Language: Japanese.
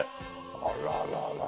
あらららら。